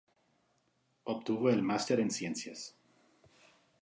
Obtuvo el M. Sc.